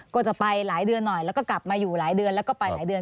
ก็จะไปหลายเดือนหน่อยแล้วก็กลับมาอยู่หลายเดือนแล้วก็ไปหลายเดือน